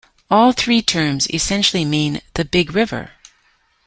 All three terms essentially mean "the big river".